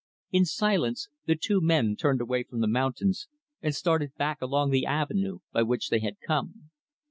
In silence, the two men turned away from the mountains, and started back along the avenue by which they had come.